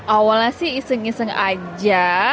awalnya sih iseng iseng aja